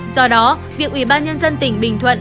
do đó việc ủy ban nhân dân tỉnh bình thuận